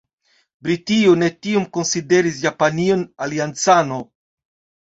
Britio ne tiom konsideris Japanion aliancano.